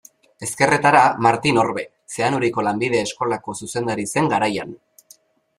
Ezkerretara, Martin Orbe, Zeanuriko lanbide eskolako zuzendari zen garaian.